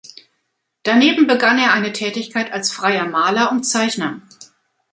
Daneben begann er eine Tätigkeit als freier Maler und Zeichner.